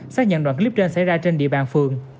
xác nhận đoạn clip trên xảy ra trên địa bàn phường